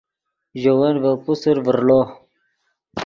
ژے ون ڤے پوسر ڤرڑو